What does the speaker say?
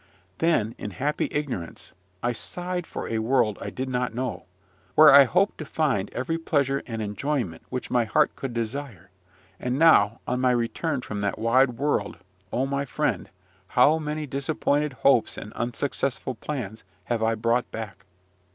Then, in happy ignorance, I sighed for a world I did not know, where I hoped to find every pleasure and enjoyment which my heart could desire; and now, on my return from that wide world, O my friend, how many disappointed hopes and unsuccessful plans have I brought back!